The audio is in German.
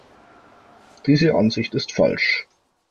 Diese Ansicht ist falsch.